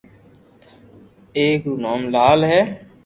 اآڪ رو نوم لال ھي